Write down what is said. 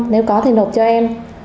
nếu có thì nộp cho em